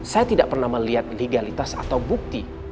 saya tidak pernah melihat legalitas atau bukti